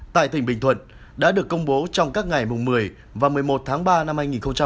tại tỉnh bình thuận đã được công bố trong các ngày một mươi và một mươi một tháng ba năm hai nghìn hai mươi